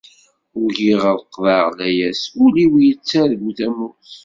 Ugiɣ ad qeḍɛeɣ layas, ul-iw yettargu tamurt.